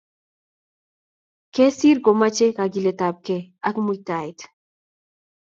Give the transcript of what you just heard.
Kesir komochei kagiletabgei ako mutaet.